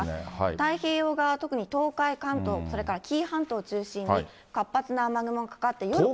太平洋側、特に東海、関東、それから紀伊半島中心に活発な雨雲がかかって。